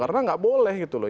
karena nggak boleh gitu loh